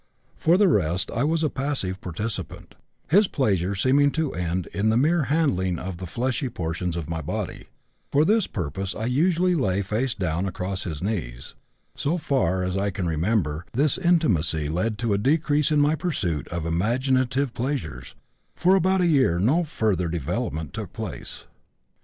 For the rest I was a passive participant, his pleasure seeming to end in the mere handling of the fleshy portions of my body. For this purpose I usually lay face downward across his knees. So far as I can remember, this intimacy led to a decrease in my pursuit of imaginative pleasures; for about a year no further development took place.